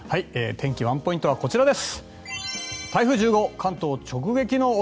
天気ワンポイントはこちらです。